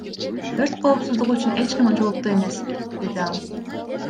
Өрт коопсуздугу үчүн эч ким жоопту эмес, — деди ал.